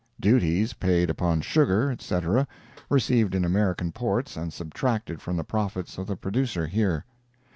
duties paid upon sugar, etc., received in American ports and subtracted from the profits of the producer here.